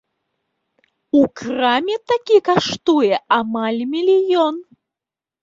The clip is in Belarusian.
У краме такі каштуе амаль мільён.